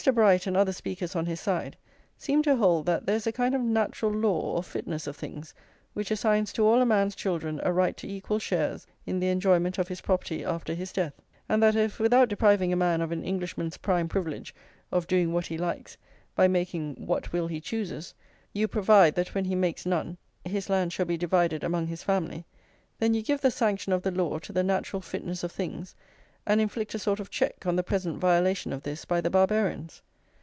Bright, and other speakers on his side, seemed to hold that there is a kind of natural law or fitness of things which assigns to all a man's children a right to equal shares in the enjoyment of his property after his death; and that if, without depriving a man of an Englishman's prime privilege of doing what he likes by making what will he chooses, you provide that when he makes none his land shall be divided among his family, then you give the sanction of the law to the natural fitness of things, and inflict a sort of check on the present violation of this by the Barbarians.